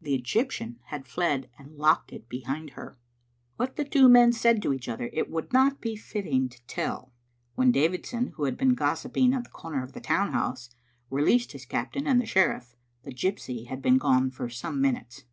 The Egyptian had fled and locked it behind her. What the two men said to each other, it would not be fitting to tell. When Davidson, who had been gossip ing at the comer of the town house, released his captain and the sheriff, the gypsy had been gone for some minutes.